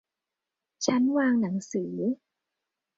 ชั้นวางหนังสือ